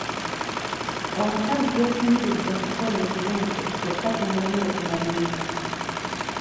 Omukazi yeefunyiridde okukola ekiwempe kyokka kimulemye okumalirirza.